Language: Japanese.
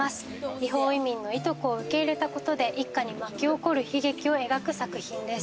不法移民のいとこを受け入れたことで、一家に巻き起こる悲劇を描く作品です。